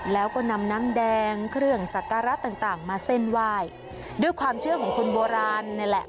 แล้วก็นำน้ำแดงเครื่องสักการะต่างต่างมาเส้นไหว้ด้วยความเชื่อของคนโบราณนี่แหละ